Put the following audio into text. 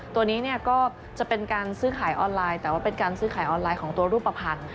ตัวนี้ก็จะเป็นการซื้อขายออนไลน์แต่ว่าเป็นการซื้อขายออนไลน์ของตัวรูปภัณฑ์